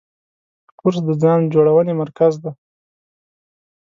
کورس د ځان جوړونې مرکز دی.